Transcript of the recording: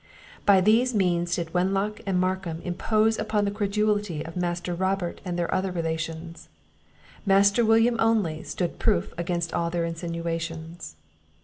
By these means did Wenlock and Markham impose upon the credulity of Master Robert and their other relations: Master William only stood proof against all their insinuations.